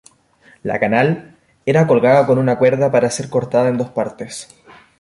La canal era colgada con una cuerda para ser cortada en dos partes.